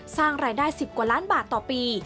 สร้างรายได้๑๐กว่าล้านบาทต่อปี